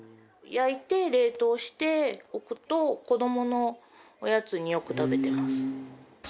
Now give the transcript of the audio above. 焼いて冷凍しておくと子どものおやつによく食べてます。